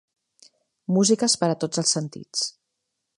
Músiques per a tots els sentits.